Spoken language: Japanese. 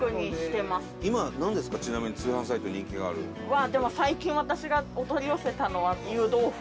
はでも最近私がお取り寄せたのは湯豆腐。